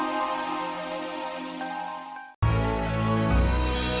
sampai jumpa lagi